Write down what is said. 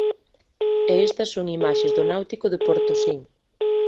E estas son imaxes do Náutico de Portosín.